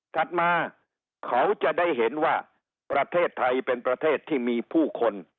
ถัดมาเขาจะได้เห็นว่าประเทศไทยเป็นประเทศที่มีผู้คน